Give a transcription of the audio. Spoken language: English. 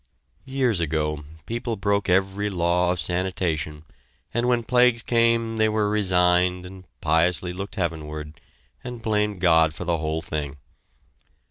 Years ago people broke every law of sanitation and when plagues came they were resigned and piously looked heavenward, and blamed God for the whole thing.